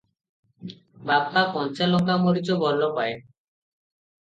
ବାପା କଞ୍ଚା ଲଙ୍କାମରିଚ ଭଲ ପାଏ ।